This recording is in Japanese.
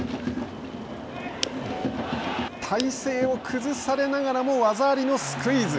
体勢を崩されながらも技ありのスクイズ。